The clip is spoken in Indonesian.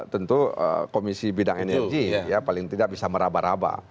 tentu komisi bidang energi ya paling tidak bisa meraba raba